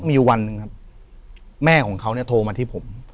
มีวันแม่ของเขาโทรมาที่ผม